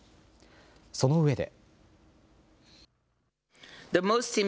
そのうえで。